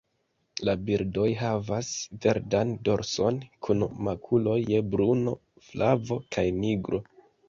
La birdoj havas verdan dorson, kun makuloj je bruno, flavo kaj nigro.